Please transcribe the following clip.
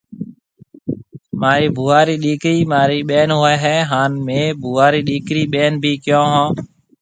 مهارِي ڀوُئا رِي ڏِيڪرِِي مهاريَ ٻين هوئيَ هيَ هانَ مهيَ ڀوُئا رِي ڏِيڪرِي ٻين ڀِي ڪيون هون۔